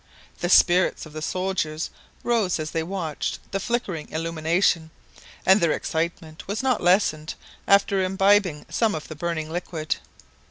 The spirits of the soldiers rose as they watched the flickering illumination, and their excitement was not lessened after imbibing some of the burning liquid.